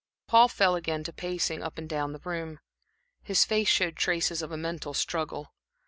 Paul fell again to pacing up and down the room. His face showed traces of a mental struggle.